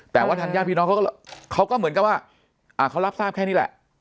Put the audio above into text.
แต่ว่าท่านย่านพี่น้องเขาก็เขาก็เหมือนกันว่าอ่าเขารับทราบแค่นี้แหละ